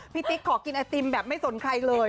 ติ๊กขอกินไอติมแบบไม่สนใครเลย